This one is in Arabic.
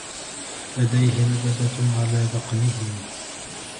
لديه ندبه علي ذقنه.